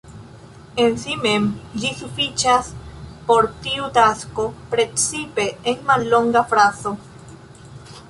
En si mem ĝi sufiĉas por tiu tasko, precipe en mallonga frazo.